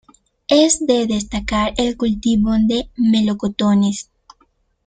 Es de destacar el cultivo de melocotones.